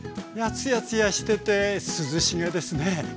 ツヤツヤしてて涼しげですね。